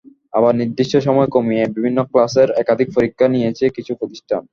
আবার নির্দিষ্ট সময় কমিয়ে বিভিন্ন ক্লাসের একাধিক পরীক্ষা নিয়েছে কিছু প্রতিষ্ঠান।